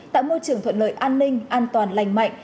tạo môi trường thuận lợi an ninh an toàn lành mạnh